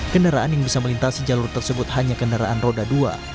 kendaraan yang bisa melintasi jalur tersebut hanya kendaraan roda dua